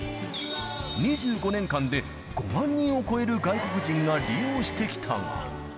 ２５年間で５万人を超える外国人が利用してきたが。